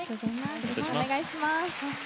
よろしくお願いします。